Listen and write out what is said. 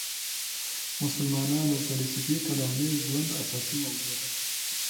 مسلمانانو فلسفي کلامي ژوند اساسي موضوع ده.